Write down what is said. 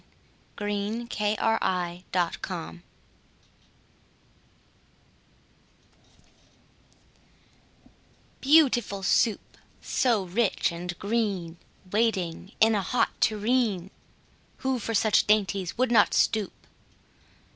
] Lewis Carroll Beautiful Soup BEAUTIFUL Soup, so rich and green, Waiting in a hot tureen! Who for such dainties would not stoop?